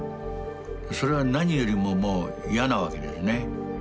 それは何よりももう嫌なわけですね。